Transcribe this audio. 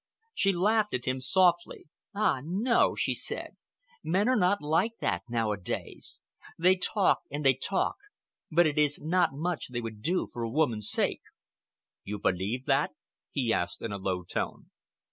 She laughed at him softly. "Ah, no!" she said. "Men are not like that, nowadays. They talk and they talk, but it is not much they would do for a woman's sake." "You believe that?" he asked, in a low tone.